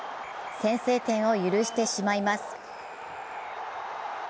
先制点を許してしまいます。